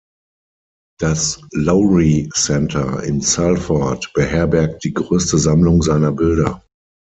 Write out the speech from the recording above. Das "Lowry Centre" in Salford beherbergt die größte Sammlung seiner Bilder.